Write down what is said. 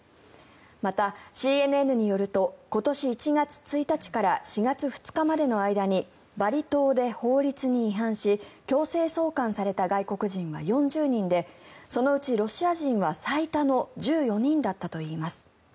また、ＣＮＮによると今年１月１日から４月２日までの間にバリ島で法律に違反し強制送還された外国人は４０人でそのうちロシア人は最多の１４人だったといいます。